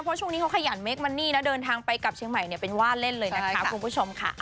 เพราะช่วงนี้เขาขยันเคคมันนี่นะเดินทางไปกลับเชียงใหม่เป็นว่าเล่นเลยนะคะคุณผู้ชมค่ะ